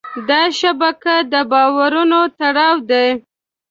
دا شبکه د باورونو تړاو دی.